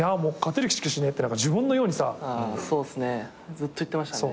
ずっと言ってましたね。